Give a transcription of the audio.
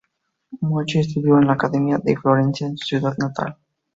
Mochi estudió en la Academia de Florencia, su ciudad natal.